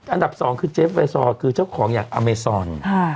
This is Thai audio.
อันดับ๒คือเจฟไวซอร์คือเจ้าของอย่างอเมซอน